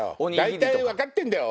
大体分かってんだよ